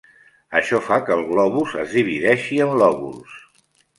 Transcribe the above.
Això fa que el globus es divideixi en lòbuls.